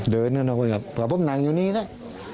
เดินกับผ้าพ่อหนังอยู่เนี่ย